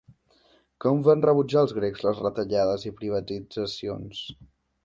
Com van rebutjar els grecs les retallades i privatitzacions?